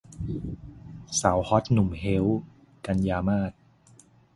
สาวฮอทหนุ่มเฮ้ว - กันยามาส